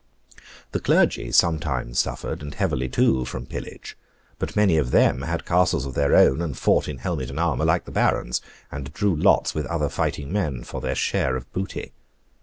The clergy sometimes suffered, and heavily too, from pillage, but many of them had castles of their own, and fought in helmet and armour like the barons, and drew lots with other fighting men for their share of booty.